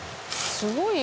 すごい。